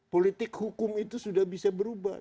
politik hukum itu sudah bisa berubah